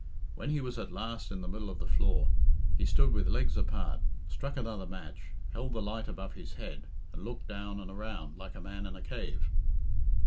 When he was at last in the middle of the floor he stood with legs apart, struck another match, held the light above his head, and looked down and around, like a man in a cave.